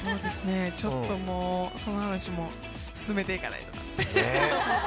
ちょっともう、その話も進めていかないと。